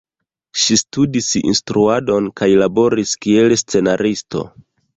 Ŝi studis instruadon kaj laboris kiel scenaristo.